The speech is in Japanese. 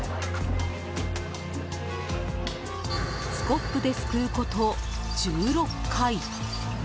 スコップですくうこと１６回。